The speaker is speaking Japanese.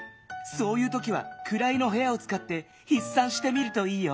そういうときは「くらいのへや」をつかってひっさんしてみるといいよ。